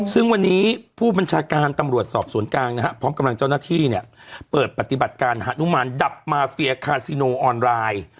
ซึ่งวันนี้ผู้บัญชาการตำรวจสอบสวนกลางนะฮะพร้อมกำลังเจ้าหน้าที่เนี่ยเปิดปฏิบัติการฮานุมานดับมาเฟียคาซิโนออนไลน์